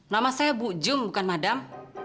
nama saya bu jum bukan madam